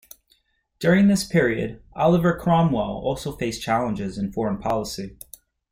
During this period Oliver Cromwell also faced challenges in foreign policy.